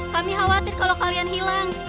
kami khawatir kalau kalian hilang